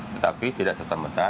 tetapi tidak setelah merta